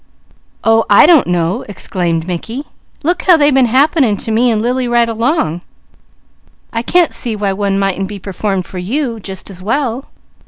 "Oh I don't know!" exclaimed Mickey. "Look how they been happening to me and Lily right along. I can't see why one mightn't be performed for you just as well.